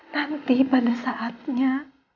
nanti pada saatnya